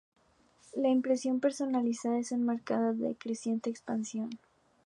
La impresión personalizada es un mercado en creciente expansión.